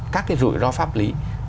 các cái rủi ro pháp lý